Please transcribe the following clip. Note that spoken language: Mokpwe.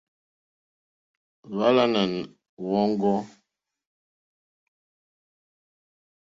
Hwáǃánáá wɔ̀ŋɡɔ́.